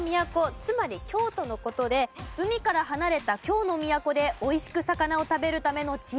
つまり京都の事で海から離れた京の都で美味しく魚を食べるための知恵といわれています。